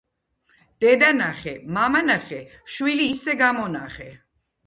დედა ნახე, მამა ნახე, შვილი ისე გამონახე.